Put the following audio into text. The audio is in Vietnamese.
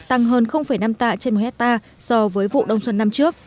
tăng hơn năm tạ trên một hectare so với vụ đông xuân năm trước